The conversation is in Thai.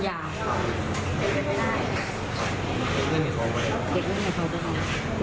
ร้ายไกล